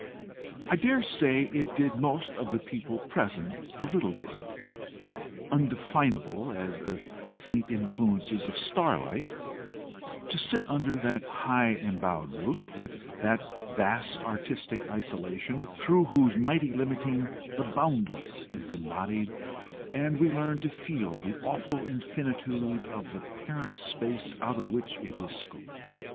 I dare say it did most of the people present a little good, undefinable as the faint influences of starlight, to sit under that "high embowed roof," within that vast artistic isolation, through whose mighty limiting the boundless is embodied, and we learn to feel the awful infinitude of the parent space out of which it is scooped.